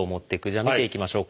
じゃあ見ていきましょう。